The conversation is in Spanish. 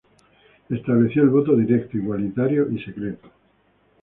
Estableció el voto directo, igualitario y secreto.